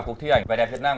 cuộc thi ảnh về đẹp việt nam